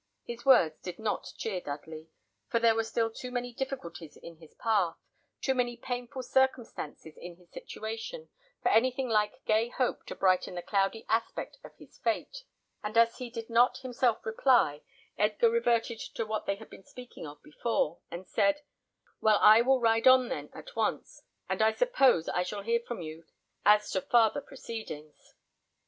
His words did not cheer Dudley, for there were still too many difficulties in his path, too many painful circumstances in his situation, for anything like gay hope to brighten the cloudy aspect of his fate; and as he did not himself reply, Edgar reverted to what they had been speaking of before, and said, "Well, I will ride on then at once, and I suppose I shall hear from you as to farther proceedings."